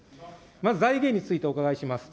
まず財源についてお伺いします。